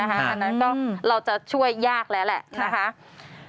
ก็เราจะช่วยยากแล้วแหละนะคะ